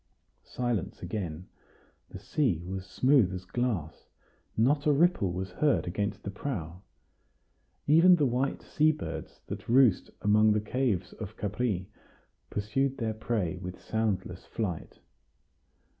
Silence again. The sea was smooth as glass. Not a ripple was heard against the prow. Even the white sea birds that roost among the caves of Capri pursued their prey with soundless flight.